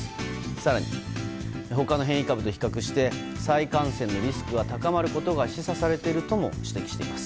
更に他の変異株と比較して再感染のリスクが高まることが示唆されるとも指摘しています。